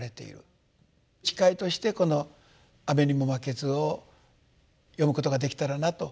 誓いとしてこの「雨ニモマケズ」を読むことができたらなと。